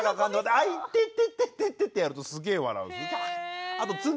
「あいてててて」ってやるとすげえ笑うんですよ。